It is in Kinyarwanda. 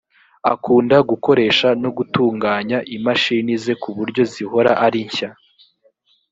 akunda gukoresha no gutunganya imashini ze ku buryo zihora ari nshya